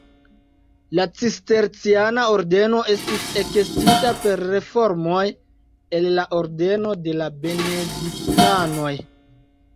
La Cisterciana ordeno estis ekestinta per reformoj el la ordeno de la Benediktanoj.